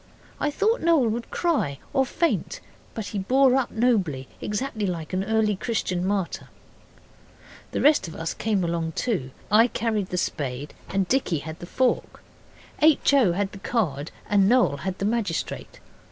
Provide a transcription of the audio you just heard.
I thought Noel would cry or faint. But he bore up nobly exactly like an early Christian martyr. The rest of us came along too. I carried the spade and Dicky had the fork. H. O. had the card, and Noel had the magistrate.